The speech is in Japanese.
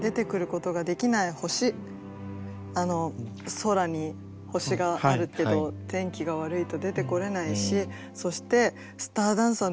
空に星があるけど天気が悪いと出てこれないしそしてスターダンサーの意味もある。